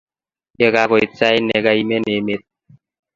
Ye kagoit sait nekaimen emet